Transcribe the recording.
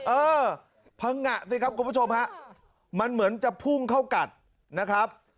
เออพังงะสิครับคุณผู้ชมฮะมันเหมือนจะพุ่งเข้ากัดนะครับ